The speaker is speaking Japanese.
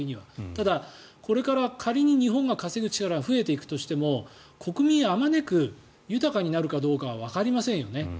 ただ、これから仮に日本が稼ぐ力が増えていくとしても国民があまねく豊かになるかどうかはわかりませんよね。